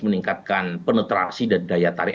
meningkatkan penetrasi dan daya tarik